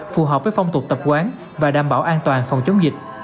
phù hợp với phong tục tập quán và đảm bảo an toàn phòng chống dịch